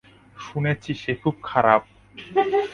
শুনেছি সে খুব খারাপ।